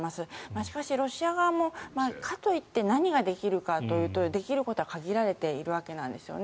しかし、ロシア側もかといって何ができるかというとできることは限られているわけなんですよね。